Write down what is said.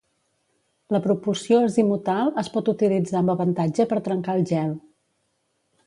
La propulsió azimutal es pot utilitzar amb avantatge per trencar el gel.